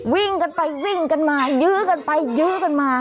วิ่งกันไปวิ่งกันมายื้อกันไปยื้อกันมา